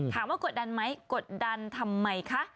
ถามว่ากดดันไหมกดดันทำไมคะ